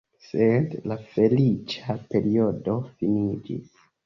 Sed la feliĉa periodo finiĝis.